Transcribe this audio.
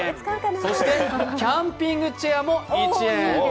そしてキャンピングチェアも１円。